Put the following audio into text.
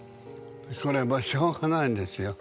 これもしょうがないんですよ。